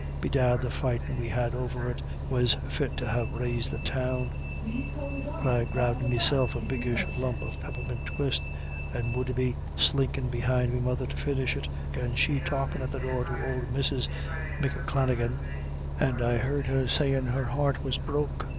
Bedad the fightin' we had over it was fit to ha' raised the town. But I grabbed meself a biggish lump of peppermint twist, and would be slinkin' behind me mother to finish it, and she talkin' at the door to ould Mrs. McClenaghan, and I heard her sayin' her heart was broke.